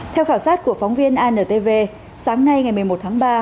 theo khảo sát của phóng viên antv sáng nay ngày một mươi một tháng ba